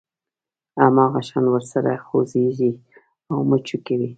هماغه شان ورسره خوځېږي او مچو کوي.